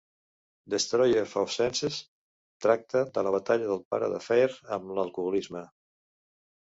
"Destroyer of Senses" tracta de la batalla del pare de Fair amb l'alcoholisme.